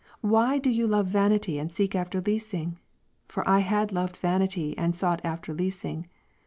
why do ye love vanity, and seek after leasing ? For I had Ver. 3. loved vanity, and sought after leasing.